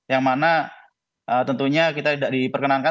yang mana tentunya kita tidak diperkenankan